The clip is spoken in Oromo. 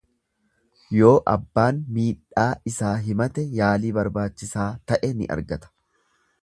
Yoo abbaan miidhaa isaa himate yalii barbaachisaa ta'e ni argata.